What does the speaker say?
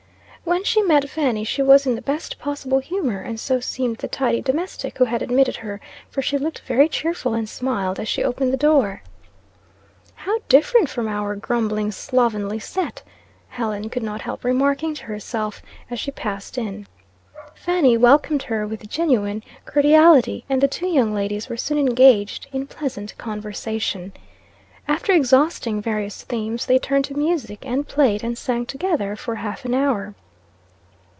When she met Fanny she was in the best possible humor; and so seemed the tidy domestic who had admitted her, for she looked very cheerful, and smiled as she opened the door. "How different from our grumbling, slovenly set!" Helen could not help remarking to herself, as she passed in. Fanny welcomed her with genuine cordiality, and the two young ladies were soon engaged in pleasant conversation. After exhausting various themes, they turned to music, and played, and sang together for half an hour.